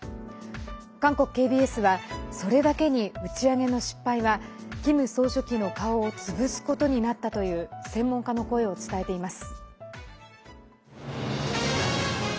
韓国ＫＢＳはそれだけに、打ち上げの失敗はキム総書記の顔を潰すことになったという専門家の声を伝えています。